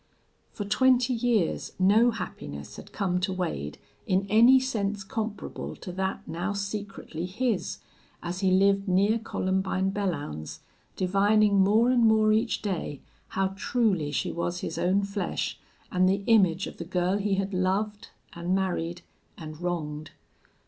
For twenty years no happiness had come to Wade in any sense comparable to that now secretly his, as he lived near Columbine Belllounds, divining more and more each day how truly she was his own flesh and the image of the girl he had loved and married and wronged.